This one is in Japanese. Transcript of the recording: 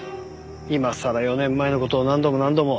今さら４年前の事を何度も何度も。